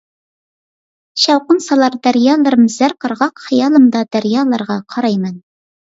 شاۋقۇن سالار دەريالىرىم زەر قىرغاق، خىيالىمدا دەريالارغا قاراي مەن.